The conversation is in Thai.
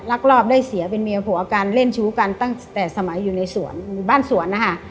รอบได้เสียเป็นเมียผัวกันเล่นชู้กันตั้งแต่สมัยอยู่ในสวนบ้านสวนนะคะ